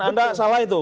anda salah itu